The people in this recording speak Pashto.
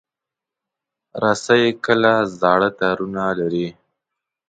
رسۍ کله زاړه تارونه لري.